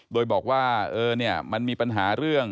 โดยบอกว่ามันมีปัญหาเรื่อง